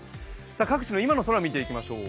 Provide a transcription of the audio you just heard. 各地の今の空を見ていきましょう。